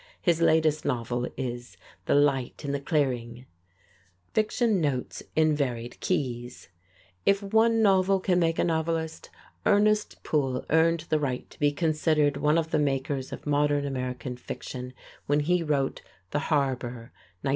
His latest novel is "The Light in the Clearing." [Illustration: ZANE GREY] Fiction Notes in Varied Keys If one novel can make a novelist, Ernest Poole earned the right to be considered one of the makers of modern American fiction when he wrote "The Harbor" (1915).